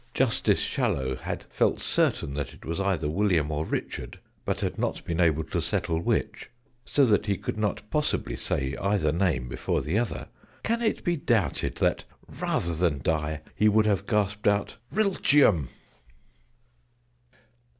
Justice Shallow had felt certain that it was either William or Richard, but had not been able to settle which, so that he could not possibly say either name before the other, can it be doubted that, rather than die, he would have gasped out "Rilchiam!"